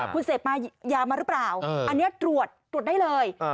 คุณเสพมายามาหรือเปล่าอันนี้ตรวจตรวจได้เลย